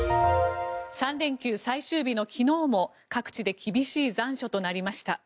３連休最終日の昨日も各地で厳しい残暑となりました。